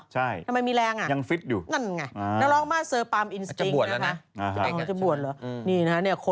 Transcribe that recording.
ใช่ยังฟิตอยู่นั่นไงน้องร้องมาร์เซอร์ปัมป์อินสติงค์